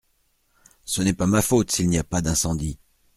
Ce n’est pas ma faute s’il n’y a pas d’incendie !